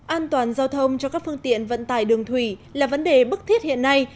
an toàn giao thông cho các phương tiện vận tải đường thủy là vấn đề bức thiết hiện nay